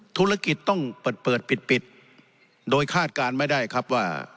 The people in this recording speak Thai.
ธุรกิจต้องเปิดเปิดปิดปิดโดยคาดการณ์ไม่ได้ครับว่า